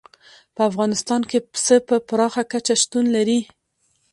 په افغانستان کې پسه په پراخه کچه شتون لري.